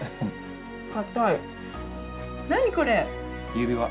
指輪。